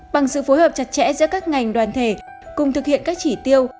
bằng sự phối hợp chặt chẽ giữa các ngành đoàn thể cùng thực hiện các chỉ tiêu